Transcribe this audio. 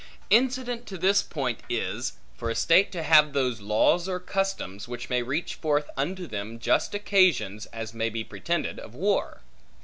Incident to this point is, for a state to have those laws or customs, which may reach forth unto them just occasions (as may be pretended) of war.